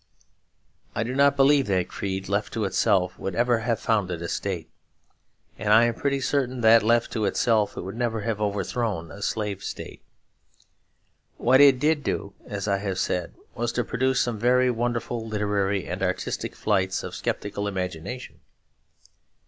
I do not believe that creed, left to itself, would ever have founded a state; and I am pretty certain that, left to itself, it would never have overthrown a slave state. What it did do, as I have said, was to produce some very wonderful literary and artistic flights of sceptical imagination.